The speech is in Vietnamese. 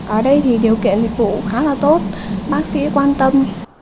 ở đây thì điều kiện dịch vụ khá là tốt bác sĩ quan tâm